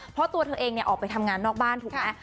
เพราะตัวเธอเองออกไปทำงานนอกบ้านถูกไหม